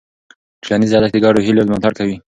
ټولنیز ارزښت د ګډو هيلو ملاتړ کوي.